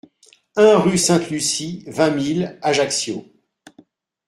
un rue Sainte-Lucie, vingt mille Ajaccio